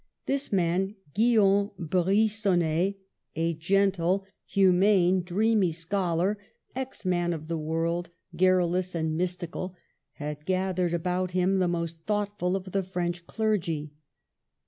This man, Guillaume Brigonnet, a gentle, hu THE AFFAIR OF MEAUX. 47 mane, dreamy scholar, ex man of the world, gar rulous and mystical, had gathered about him the most thoughtful of the French clergy.